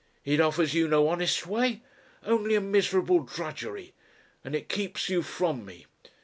It offers you no honest way, only a miserable drudgery. And it keeps you from me.